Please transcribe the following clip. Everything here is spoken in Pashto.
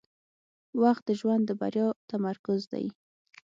• وخت د ژوند د بریا تمرکز دی.